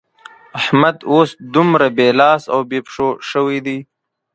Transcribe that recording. احمد اوس دومره بې لاس او بې پښو شوی دی.